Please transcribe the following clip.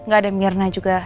gak ada myrna juga